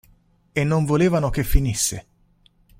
E non volevano che finisse.